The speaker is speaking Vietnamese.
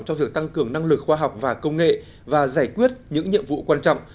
trong việc tăng cường năng lực khoa học và công nghệ và giải quyết những nhiệm vụ quan trọng